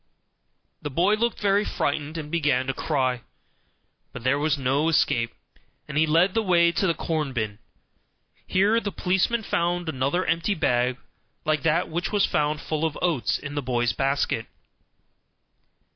The boy looked very frightened and began to cry; but there was no escape, and he led the way to the corn bin. Here the policeman found another empty bag like that which was found full of oats in the boy's basket.